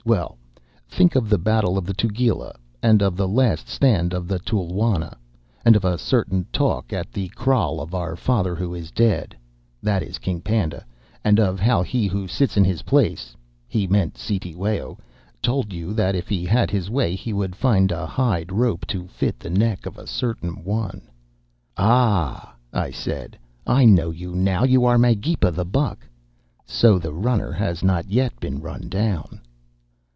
Well, think of the battle of the Tugela, and of the last stand of the Tulwana, and of a certain talk at the kraal of our Father who is dead' (that is King Panda), 'and of how he who sits in his place' (he meant Cetewayo), 'told you that if he had his way he would find a hide rope to fit the neck of a certain one.' "'Ah!' I said, 'I know you now, you are Magepa the Buck. So the Runner has not yet been run down.